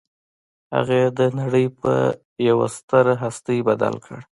هغه يې د نړۍ پر يوه ستره هستي بدل کړ.